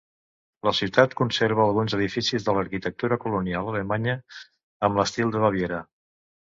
La ciutat conserva alguns edificis de l'arquitectura colonial alemanya amb l'estil de Baviera.